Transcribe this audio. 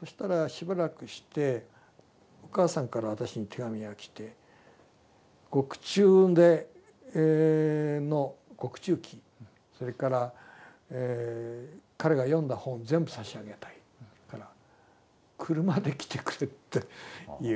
そしたらしばらくしてお母さんから私に手紙が来て獄中での獄中記それから彼が読んだ本全部差し上げたいから車で来てくれって言う。